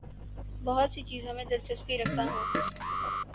بہت سی چیزوں میں دلچسپی رکھتا ہوں